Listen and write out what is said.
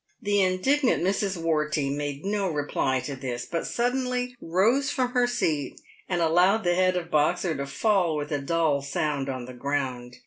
The indignant Mrs. Wortey made no reply to this, but suddenly rose from her seat and allowed the head of Boxer to fall with a dull sound on the ground.